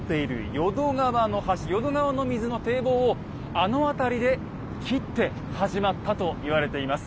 淀川の水の堤防をあの辺りで切って始まったと言われています。